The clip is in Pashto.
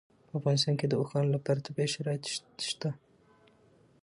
په افغانستان کې د اوښانو لپاره طبیعي شرایط شته.